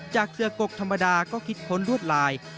เสือกกธรรมดาก็คิดค้นลวดลาย